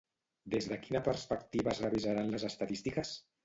Des de quina perspectiva es revisaran les estadístiques?